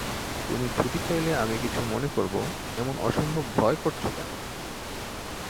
তুমি ছুটি চাইলে আমি কিছু মনে করব এমন অসম্ভব ভয় করছ কেন।